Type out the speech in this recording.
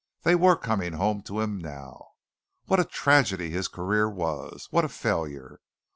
They were coming home to him now. What a tragedy his career was! What a failure!